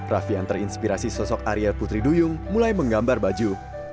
raffi yang terinspirasi sosok arya putri duyung mulai menggambar baju